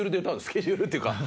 スケジュールっていうか。